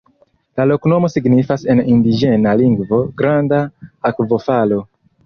La loknomo signifas en indiĝena lingvo: "granda akvofalo".